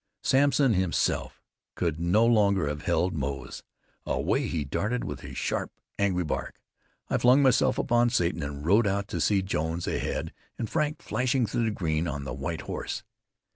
Samson himself could no longer have held Moze. Away he darted with his sharp, angry bark. I flung myself upon Satan and rode out to see Jones ahead and Frank flashing through the green on the white horse.